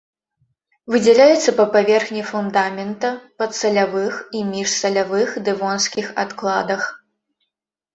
Выдзяляецца па паверхні фундамента, падсалявых і міжсалявых дэвонскіх адкладах.